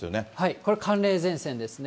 これ、寒冷前線ですね。